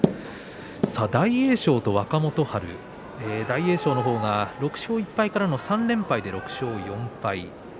大栄翔と若元春大栄翔の方が６勝１敗からの３連敗、６勝４敗と。